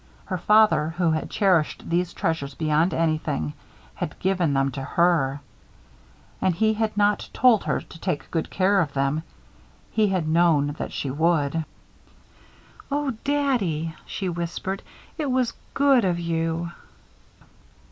Her father, who had cherished these treasures beyond anything, had given them to her. And he had not told her to take good care of them he had known that she would. "Oh, Daddy," she whispered, "it was good of you."